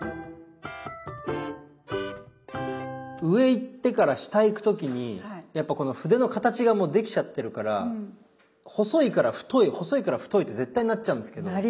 上行ってから下行く時にやっぱこの筆の形がもうできちゃってるから細いから太い細いから太いって絶対なっちゃうんですけど。